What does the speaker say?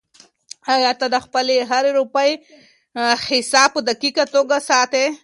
آیا ته د خپلې هرې روپۍ حساب په دقیقه توګه ساتې؟